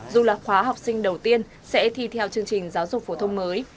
dù là khóa học sinh đầu tiên sẽ thi theo chương trình giáo dục phổ thông mới